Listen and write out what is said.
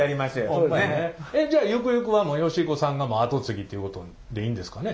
じゃあゆくゆくは慶彦さんが後継ぎっていうことでいいんですかね？